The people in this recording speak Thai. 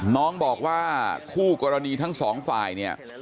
น้องบอกว่าคู่กรณีทั้งสองฝ่ายเนี่ย